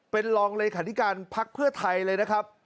เป็นรองเลยค่ะที่การพักเพื่อไทยเลยนะครับ